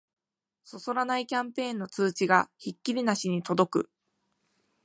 そそらないキャンペーンの通知がひっきりなしに届く